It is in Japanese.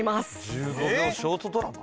１５秒ショートドラマ？